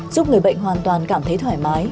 giúp người bệnh hoàn toàn cảm thấy thoải mái